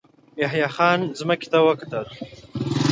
يحيی خان ځمکې ته وکتل.